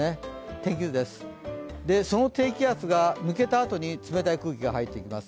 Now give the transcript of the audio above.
天気図です、その低気圧が抜けたあとに冷たい空気が入ってきます。